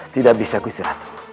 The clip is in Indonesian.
tidak bisa gusiratu